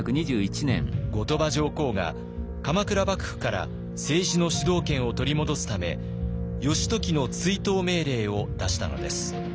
後鳥羽上皇が鎌倉幕府から政治の主導権を取り戻すため義時の追討命令を出したのです。